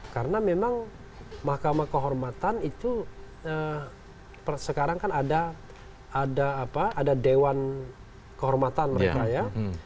karena memang mahkamah kehormatan itu sekarang kan ada dewan kehormatan mereka ya